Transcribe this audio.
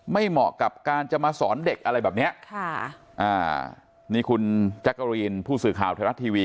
ไม่เหมาะกับการจะมาสอนเด็กอะไรแบบนี้นี่คุณแจ๊กโกรีนผู้สื่อข่าวเทศรัทย์ทีวี